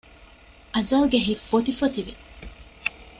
އަޒަލްގެ ހިތް ފޮތިފޮތިވި